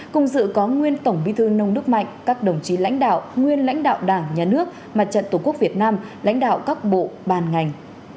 cùng dự có nguyên tổng vi thương nông nước mạnh các đồng chí lãnh đạo nguyên lãnh đạo đảng nhà nước mặt trận tổ quốc việt nam lãnh đạo các bộ bàn ngành